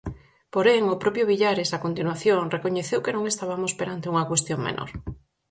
Porén, o propio Villares, a continuación, recoñeceu que non estabamos perante unha cuestión menor.